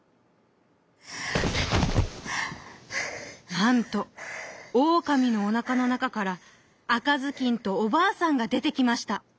なんとオオカミのおなかのなかからあかずきんとおばあさんがでてきました。